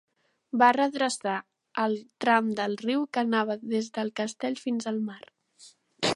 Va redreçar el tram del riu que anava des del castell fins al mar.